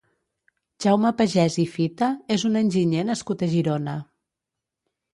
Jaume Pagès i Fita és un enginyer nascut a Girona.